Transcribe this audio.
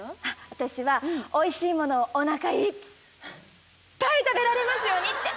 私はおいしい物をおなかいっぱい食べられますようにって。